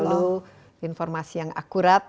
selalu informasi yang akurat